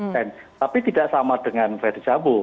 tapi tidak sama dengan verdi sambo